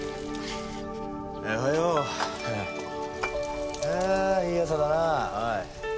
おはよう。ああいい朝だなぁおい。